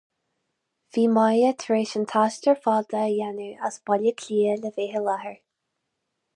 Bhí Máire tar éis an t-aistear fada a dhéanamh as Baile Átha Cliath le bheith i láthair.